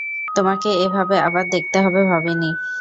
তোমাকে এভাবে আবার দেখতে হবে ভাবিনি।